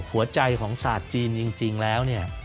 หัวใจของศาสตร์จีนจริงแล้วเนี่ย